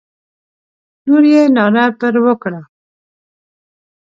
لور یې ناره پر وکړه.